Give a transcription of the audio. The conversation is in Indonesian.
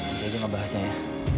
oke jangan bahasnya ya